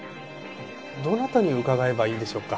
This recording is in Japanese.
どなたに伺えばいいんでしょうか？